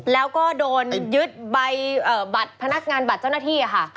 แล้วก็โดนยึดใบบัตรพนักงานบัตรเจ้าหน้าที่ค่ะ